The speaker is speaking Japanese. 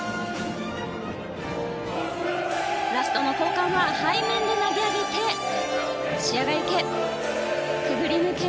ラストの交換は背面で投げ上げて視野外受け。